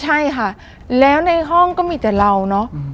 ใช่ค่ะแล้วในห้องก็มีแต่เราเนอะ